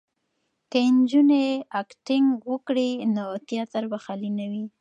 که نجونې اکټینګ وکړي نو تیاتر به خالي نه وي.